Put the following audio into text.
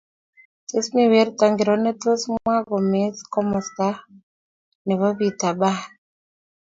Tos mi werto ngiro netos mwaa komostab nebo Peter pan